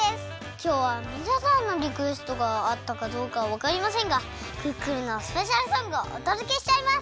きょうはみなさんのリクエストがあったかどうかわかりませんがクックルンのスペシャルソングをおとどけしちゃいます！